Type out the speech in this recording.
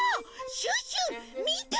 シュッシュみて！